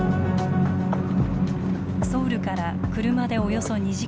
ソウルから車でおよそ２時間。